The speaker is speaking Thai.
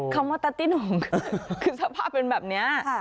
คำว่าตาตี้หนุ่มคือสภาพเป็นแบบนี้